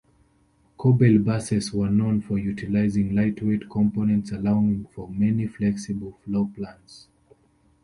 Corbeil buses were known for utilizing lightweight components, allowing for many flexible floorplans.